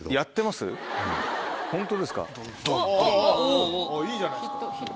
おぉいいじゃないですか。